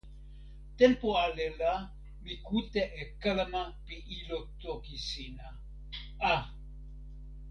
tenpo ale la mi kute e kalama pi ilo toki sina. a!